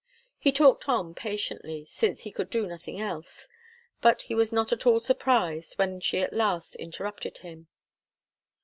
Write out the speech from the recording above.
He talked on patiently, since he could do nothing else, but he was not at all surprised when she at last interrupted him.